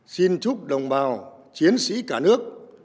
xin chúc đồng bào chiến sĩ cả nước